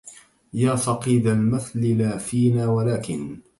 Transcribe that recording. يا فقيد المثل لا فينا ولكن